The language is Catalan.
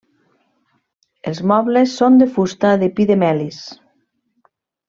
Els mobles són de fusta de pi de melis.